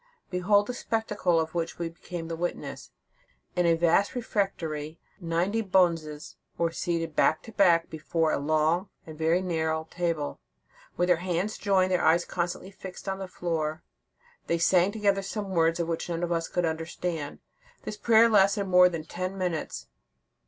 Behold the spectacle of which we became the witnesses. In a vast refectory, ninety bonzes were seated back to back, before a long and very narrow table; with their hands joined, their eyes constantly fixed on the floor, they sang together some words which none of us could understand. This prayer lasted more than ten minutes.